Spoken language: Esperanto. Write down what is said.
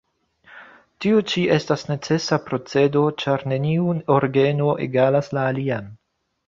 Tio ĉi estas necesa procedo, ĉar neniu orgeno egalas la alian.